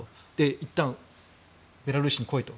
いったんベラルーシに来いと。